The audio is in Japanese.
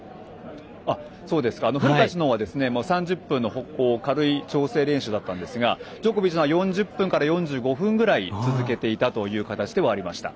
フルカッチの方は３０分の軽い調整練習だったんですがジョコビッチは４０分から４５分ぐらい続けていたという形ではありました。